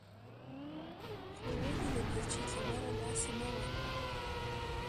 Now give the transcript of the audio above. خو ودې ليدل چې خبره داسې نه وه.